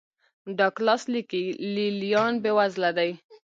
ډاګلاس لیکي لې لیان بېوزله دي.